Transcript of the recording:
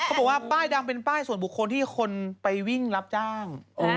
บอกว่าป้ายดังเป็นป้ายส่วนบุคคลที่คนไปวิ่งรับจ้าง